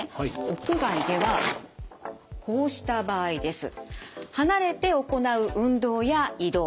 屋外ではこうした場合です。